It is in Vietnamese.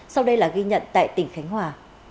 sau đây là ghi nhận tại tỉnh khánh hòa